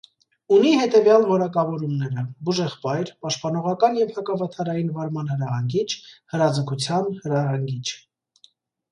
Ունի հետևյալ որակավորումները՝ բուժեղբայր, պաշտպանողական և հակավթարային վարման հրահանգիչ, հրաձգության հրահանգիչ։